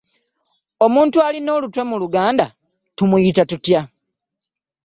Omuntu alina olutwe mu Luganda tumuyita tutya?